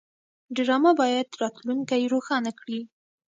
ډرامه باید راتلونکی روښانه کړي